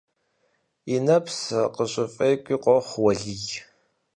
И нэпс къыщыфӀекӀуи къохъу Уэлий.